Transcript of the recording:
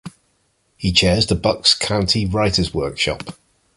He chairs the Bucks County Writers Workshop.